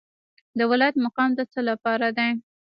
د ولایت مقام د څه لپاره دی؟